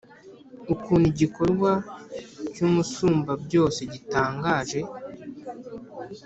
ukuntu igikorwa cy’Umusumbabyose gitangaje!